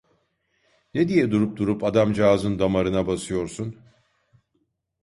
Ne diye durup durup adamcağızın damarına basıyorsun!